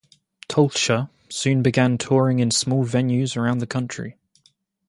Tolcher soon began touring in small venues around the country.